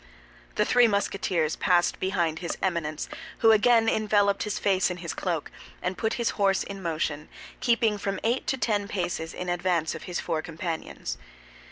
The three Musketeers passed behind his Eminence, who again enveloped his face in his cloak, and put his horse in motion, keeping from eight to ten paces in advance of his four companions.